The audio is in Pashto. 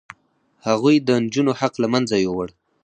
هغوی د نجونو حق له منځه یووړ.